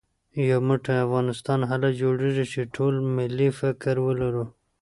يو موټی افغانستان هله جوړېږي چې ټول ملي فکر ولرو